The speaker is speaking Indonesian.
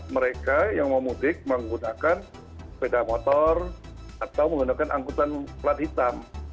mereka yang mau mudik menggunakan sepeda motor atau menggunakan angkutan pelat hitam